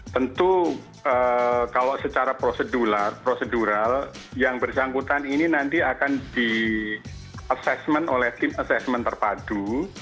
tentu kalau secara prosedural yang bersangkutan ini nanti akan di assessment oleh tim assessment terpadu